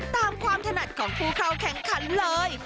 ตามความถนัดของผู้เข้าแข่งขันเลย